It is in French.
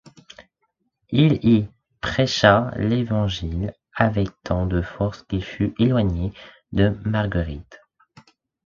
Il y prêcha l’Évangile avec tant de force qu’il fut éloigné de Marguerite.